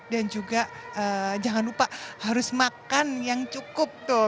dan juga jangan lupa harus makan yang cukup tuh